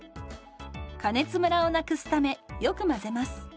加熱ムラをなくすためよく混ぜます。